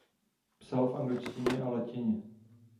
Psal v angličtině a latině.